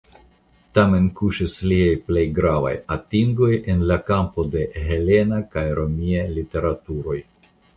Tamen kuŝis liaj plej gravaj atingoj en la kampo de helena kaj romia literaturoj.